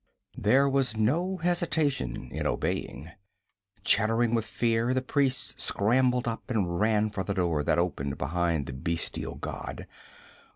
There was no hesitation in obeying. Chattering with fear the priests scrambled up and ran for the door that opened behind the bestial god.